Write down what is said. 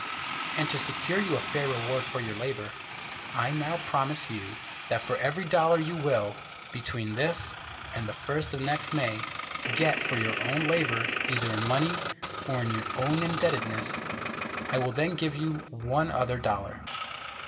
And to secure you a fair reward for your labor, I now promise you that for every dollar you will, between this and the first of next May, get for your own labor either in money or in your own indebtedness, I will then give you one other dollar.